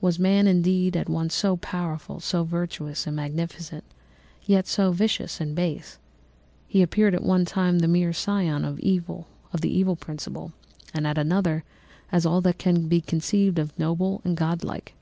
Was man, indeed, at once so powerful, so virtuous and magnificent, yet so vicious and base? He appeared at one time a mere scion of the evil principle and at another as all that can be conceived of noble and godlike.